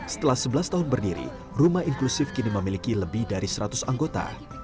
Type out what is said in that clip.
setelah sebelas tahun berdiri rumah inklusif kini memiliki lebih dari seratus anggota